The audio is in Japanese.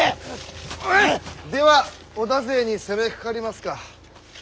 では織田勢に攻めかかりますか？